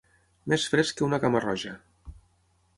Més fresc que una cama-roja.